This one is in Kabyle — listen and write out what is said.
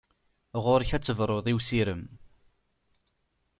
Ɣur-k ad tebruḍ i usirem!